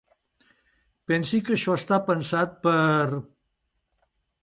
Pensi que això està pensat per...